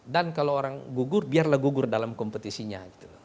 dan kalau orang gugur biarlah gugur dalam kompetisinya